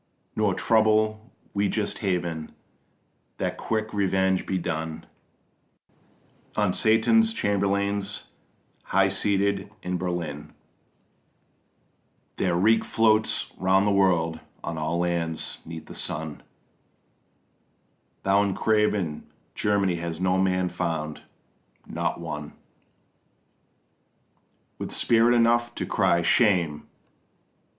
Nor trouble we just Heaven that quick revenge be done On Satan's chamberlains highseated in Berlin; Their reek floats round the world on all lands 'neath the sun: Tho' in craven Germany was no man found, not one With spirit enough to cry Shame!